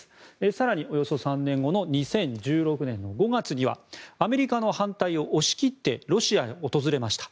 更に、およそ３年後の２０１６年５月にはアメリカの反対を押し切ってロシアへ訪れました。